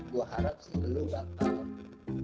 gue harap sih lo datang